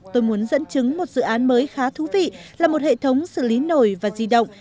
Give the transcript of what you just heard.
tôi muốn dẫn chứng một dự án mới khá thú vị là một hệ thống xử lý nổi và di động